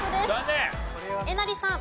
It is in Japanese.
えなりさん。